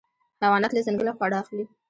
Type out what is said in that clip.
حیوانات له ځنګله خواړه اخلي.